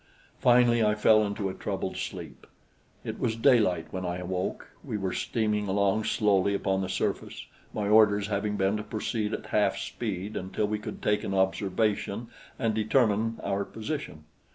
Finally I fell into a troubled sleep. It was daylight when I awoke. We were steaming along slowly upon the surface, my orders having been to proceed at half speed until we could take an observation and determine our position.